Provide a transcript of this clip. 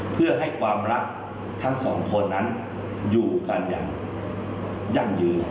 เพื่อให้ความรักทั้งสองคนนั้นอยู่กันอย่างยั่งยืน